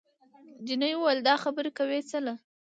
جینۍ وویل دا خبرې کوې څله؟